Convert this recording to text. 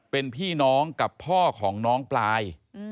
เป็นพี่น้องกับพ่อของน้องปลาย